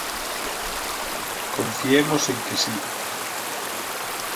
Confiemos en que si.